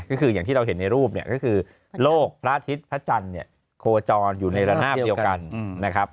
ก็คืออย่างที่เราเห็นในรูปเนี่ยก็คือโลกพระอาทิตย์พระจันทร์เนี่ยโคจรอยู่ในระนาบเดียวกันนะครับ